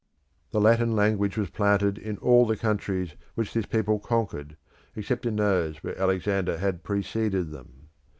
The Latin language was planted in all the countries which this people conquered, except in those where Alexander had preceded them.